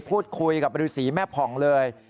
พูดคุยกับฤษีแม่ผ่องเลย